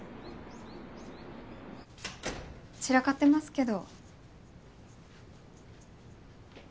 散らかってますけど。